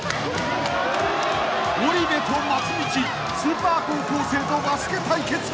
［ゴリ部と松道スーパー高校生とバスケ対決］